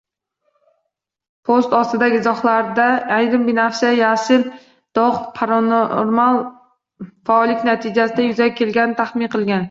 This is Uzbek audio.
Post ostidagi izohlarda ayrimlar binafsha-yashil dog‘ paranormal faollik natijasida yuzaga kelganini taxmin qilgan